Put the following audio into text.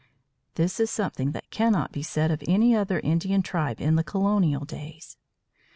This is something that cannot be said of any other Indian tribe in the colonial days.